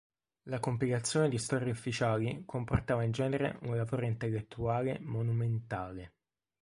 La compilazione di storie ufficiali comportava in genere un lavoro intellettuale monumentale.